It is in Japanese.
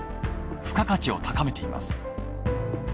付加価値を高めています。